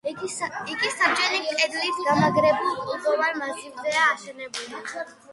იგი საბჯენი კედლით გამაგრებულ კლდოვან მასივზეა აშენებული.